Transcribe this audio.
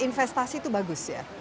investasi itu bagus ya